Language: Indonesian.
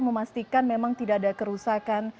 memastikan memang tidak ada kerusakan